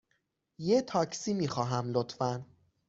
یه تاکسی می خواهم، لطفاً.